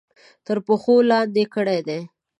تر پښو لاندې کړي دي.